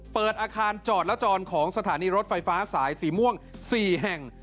เปิดอาคารจอดและจรของสถานีรถไฟฟ้าสายสีม่วง๔แห่ง